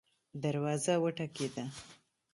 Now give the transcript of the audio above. دروازه وټکیده